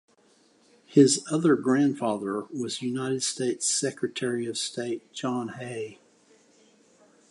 His other grandfather was United States Secretary of State John Hay.